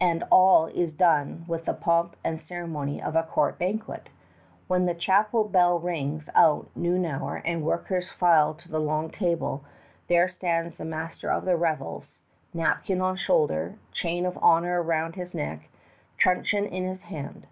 And all is done with the pomp and ceremony of a court banquet. When the chapel bell rings out noon hour and workers file to the long table, there stands the Master of the Revels, napkin on shoulder, chain of honor round his neck, truncheon in his hand.